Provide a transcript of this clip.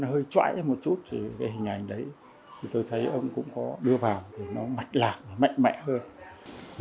hơi trõi thêm một chút thì cái hình ảnh đấy tôi thấy ông cũng có đưa vào thì nó mạch lạc và mạnh mẽ hơn